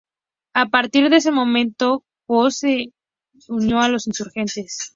A partir de ese momento Cos se unió a los insurgentes.